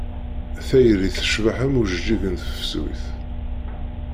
Tayri tecbeḥ am ujeǧǧig n tefsut.